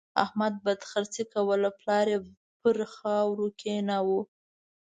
احمد بدخرڅي کوله؛ پلار يې پر خاورو کېناوو.